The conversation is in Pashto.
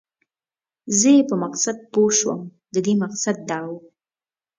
زه یې په مقصد پوه شوم، د دې مقصد دا و.